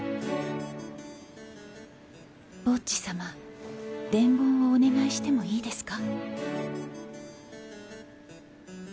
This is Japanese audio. ボッジ様伝言をお願いしてもいいですか？